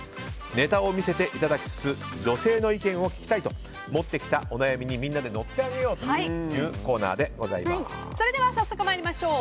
ネタを見せていただきつつ女性の意見を聞きたいと持ってきたお悩みにみんなで乗ってあげようというそれでは早速参りましょう。